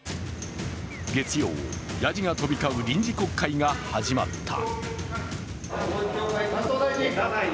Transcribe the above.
月曜、やじが飛び交う臨時国会が始まった。